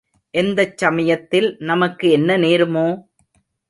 எந்தச் சமயத்தில் நமக்கு என்ன நேருமோ?